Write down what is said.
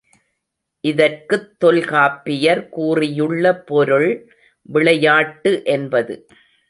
இதற்குத் தொல்காப்பியர் கூறியுள்ள பொருள் விளையாட்டு என்பது.